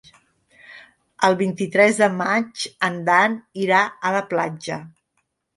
El vint-i-tres de maig en Dan irà a la platja.